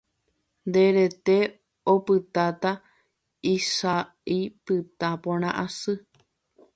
nde rete opytáta isa'y pytã porã asy.